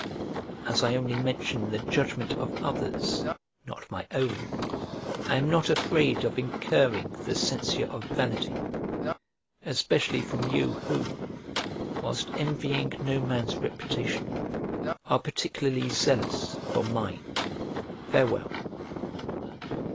As I only mention the judgment of others, not my own, I am not afraid of incurring the censure of vanity; especially from you, who, whilst envying no man's reputation, are particularly zealous for mine. Farewell.